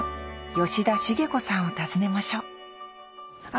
吉田茂子さんを訪ねましょうあ！